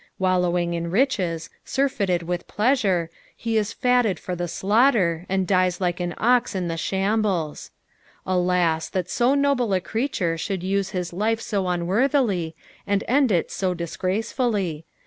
Wallowing In riches, surfeited with pleasure, he is fatted for the slaughter, and dies like the ox in the shambles. Alas ! that so noble a creature should use his life so unworthily, And end it so disgracefully.